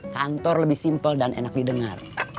kantor lebih simpel dan enak didengar